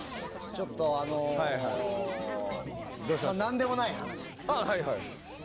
ちょっと、何でもない話。